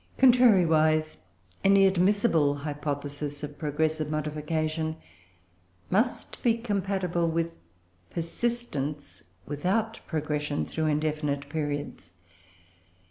Contrariwise, any admissible hypothesis of progressive modification must be compatible with persistence without progression, through indefinite periods.